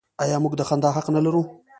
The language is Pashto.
آیا موږ د خندا حق نلرو؟